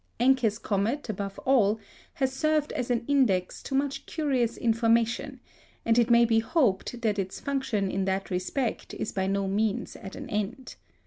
Encke's comet, above all, has served as an index to much curious information, and it may be hoped that its function in that respect is by no means at an end.